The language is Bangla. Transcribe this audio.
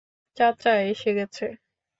চাচা এসে গেছে।